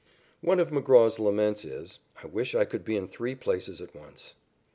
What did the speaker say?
One of McGraw's laments is, "I wish I could be in three places at once."